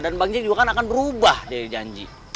dan bang jack juga kan akan berubah dari janji